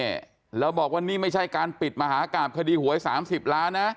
นี่แล้วบอกว่านี่ไม่ใช่การปิดมหากราบคดีหวย๓๐ล้านนะ